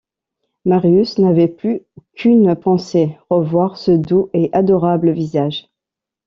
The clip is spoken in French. Marius n’avait plus qu’une pensée, revoir ce doux et adorable visage.